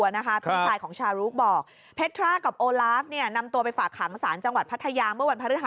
นี่ไงกลัวทั้งหมดแหละ